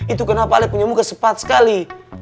itu kenapa ali punya muka sepat sekali